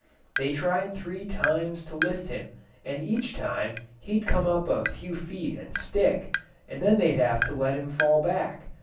They tried three times to lift him, and each time he'd come up a few feet and stick, and then they'd have to let him fall back.